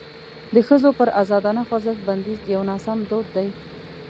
د ښځو پر ازادانه خوځښت بندیز یو ناسم دود دی.